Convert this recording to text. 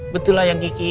betul ayang kiki